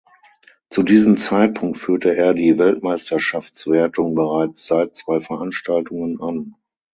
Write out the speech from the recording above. Zu diesem Zeitpunkt führte er die Weltmeisterschaftswertung bereits seit zwei Veranstaltungen an.